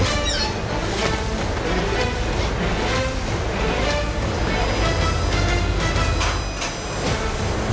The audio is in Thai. นี่หม่อมหรือเปล่า